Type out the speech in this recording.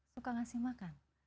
suka ngasih makan